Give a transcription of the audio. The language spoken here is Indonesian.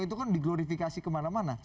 itu kan diglorifikasi kemana mana